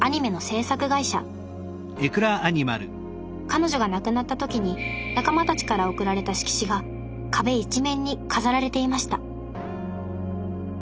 彼女が亡くなった時に仲間たちから贈られた色紙が壁一面に飾られていました